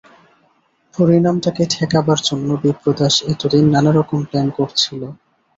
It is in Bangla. পরিণামটাকে ঠেকাবার জন্যে বিপ্রদাস এতদিন নানারকম প্ল্যান করছিল।